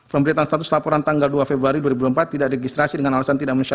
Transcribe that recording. pemberitaan status laporan tanggal dua februari dua ribu empat tidak registrasi dengan alasan tidak menyesuaikan